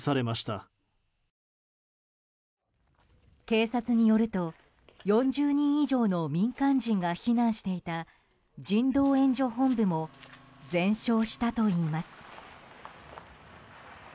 警察によると４０人以上の民間人が避難していた人道援助本部も全焼したといいます。